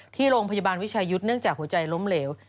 ที่โรงพยาบาลวิชายุทธ์เนื่องจากหัวใจล้มเหลว